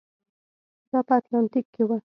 دا په اتلانتیک کې و.